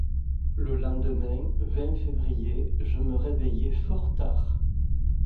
Le lendemain, vingt février, je me réveillais fort tard.